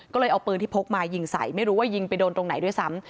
ก็เลยเอาปืนที่พกมายิงใส่ไม่รู้ว่ายิงไปโดนตรงไหนด้วยซ้ำ